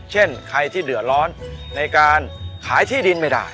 เช่นใครที่เดือดร้อนในการขายที่ดินไม่ได้